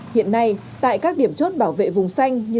hiện nay tại các điểm chốt bảo vệ vùng xanh như